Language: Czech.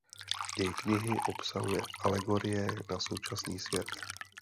Děj knihy obsahuje alegorie na současný svět.